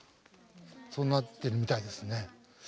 そうなってるみたいですね。